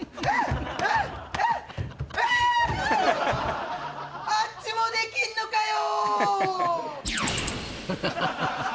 ええっあっちもできんのかよ